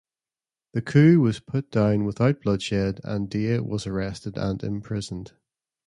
The coup was put down without bloodshed and Dia was arrested and imprisoned.